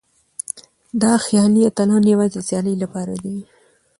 دا خيالي اتلان يوازې د سيالۍ لپاره دي.